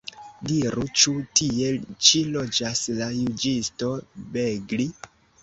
Diru, ĉu tie ĉi loĝas la juĝisto Begli?